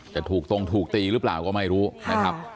จะถูกตรงถูกตีหรือเปล่าก็ไม่รู้นะครับ